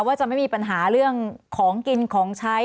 ว่าจะไม่มีปัญหาเรื่องของกินของใช้